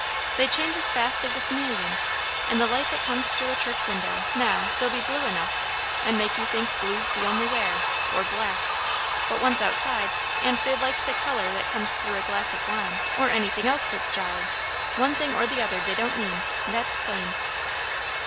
They change as fast as a chameleon. In the light that comes through a church window, now, they'll be blue enough, and make you think blue's the only wear or black; but once outside, and they like the colour that comes through a glass of wine or anything also that's jolly. One thing or the other they don't mean that's plain."